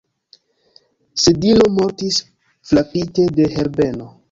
Sedilo mortis, frapite de Herbeno.